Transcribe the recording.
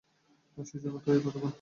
সেজন্যই তো এই দোকান খুলেছি।